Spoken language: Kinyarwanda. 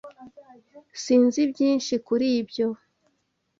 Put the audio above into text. Sinzi byinshi kuri ibyo.